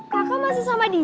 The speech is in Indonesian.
kakao masih sama dia